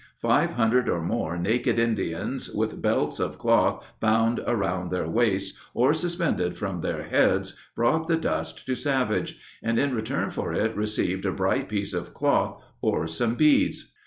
Five hundred or more naked Indians, with belts of cloth bound around their waists or suspended from their heads brought the dust to Savage, and in return for it received a bright piece of cloth or some beads.